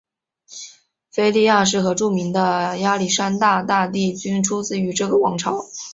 腓力二世和著名的亚历山大大帝均出自这个王朝。